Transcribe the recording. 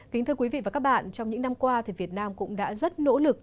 kính thưa quý vị và các bạn trong những năm qua thì việt nam cũng đã rất nỗ lực